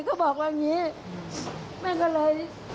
ก็บอกว่าอย่างนี้แม่ก็เลย